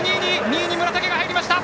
２位に村竹が入りました。